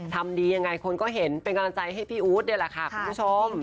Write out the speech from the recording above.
ทำดียังไงคนก็เห็นเป็นกำลังใจให้พี่อู๊ดนี่แหละค่ะคุณผู้ชม